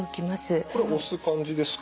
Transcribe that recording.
これ押す感じですか？